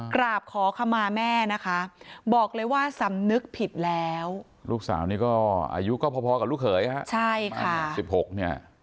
กราบขอขมาแม่นะคะบอกเลยว่าสำนึกผิดแล้วลูกสาวนี่ก็อายุก็พอกับลูกเขยฮะใช่ค่ะ๑๖เนี่ย